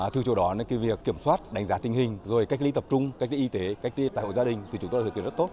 thứ chỗ đó là việc kiểm soát đánh giá tình hình rồi cách ly tập trung cách ly y tế cách ly tài hội gia đình thì chúng tôi đã thực hiện rất tốt